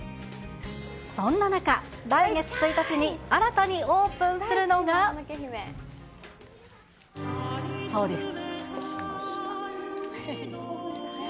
そんな中、来月１日に新たにオープンするのが、そうです。